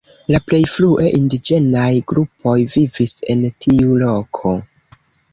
La plej frue indiĝenaj grupoj vivis en tiu loko.